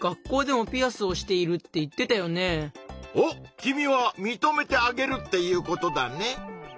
君はみとめてあげるっていうことだね！